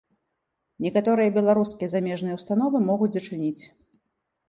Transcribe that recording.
Некаторыя беларускія замежныя ўстановы могуць зачыніць.